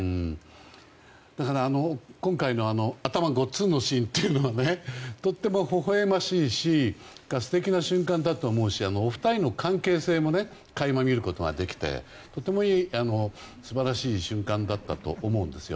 だから、今回の頭ごっつんのシーンというのはとっても、ほほえましいし素敵な瞬間だと思うしお二人の関係性も垣間見ることができてとてもいい、素晴らしい瞬間だったと思うんですよ。